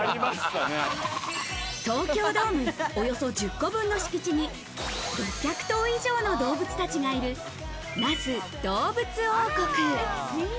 東京ドームおよそ１０個分の敷地に、６００頭以上の動物たちがいる那須どうぶつ王国。